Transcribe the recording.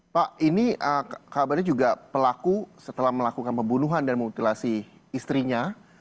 pak ini kabarnya juga pelaku setelah melakukan pembunuhan dan memutilasi istrinya